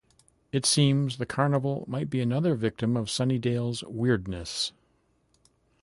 It seems the carnival might be another victim of Sunnydale's weirdness.